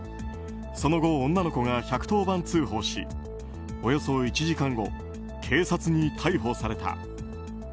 その後、女の子が１１０番通報しおよそ１時間後警察に逮捕された。